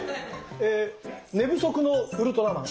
え寝不足のウルトラマン。